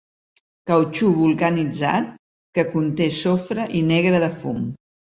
Cautxú vulcanitzat que conté sofre i negre de fum.